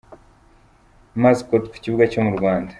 Mascots ku kibuga cyo mu Rwanda.